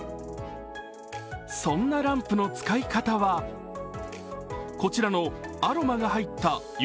そんなランプの使い方は、こちらのアロマが入った夢